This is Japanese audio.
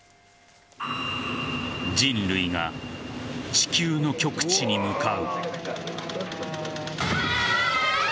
人類が地球の極地に向かう。